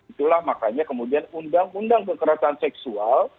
itulah makanya kemudian undang undang kekerasan seksual